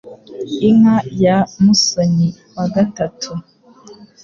Inka ya Musoni ( III )